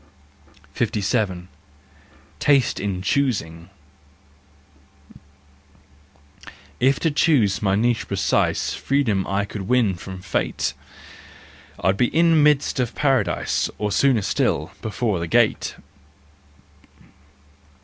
JEST, RUSE AND REVENGE 2 7 57 . Taste in Choosing ,. If to choose my niche precise Freedom I could win from fate. I'd be in midst of Paradise— Or, sooner still—before the gate